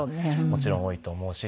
もちろん多いと思うし。